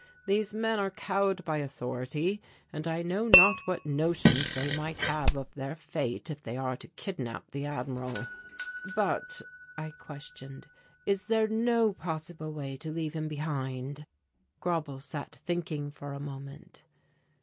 These men are cowed by authority and I know not what notions they might have of their fate if they are to kidnap the Admiral." "But," I questioned, "is there no possible way to leave him behind?" Grauble sat thinking for a moment.